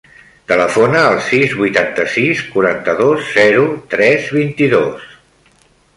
Telefona al sis, vuitanta-sis, quaranta-dos, zero, tres, vint-i-dos.